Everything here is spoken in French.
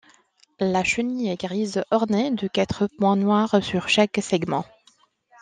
La chenille est grise ornée de quatre points noirs sur chaque segment.